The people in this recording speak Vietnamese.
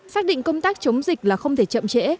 xác định công tác chống dịch là không thể chậm trễ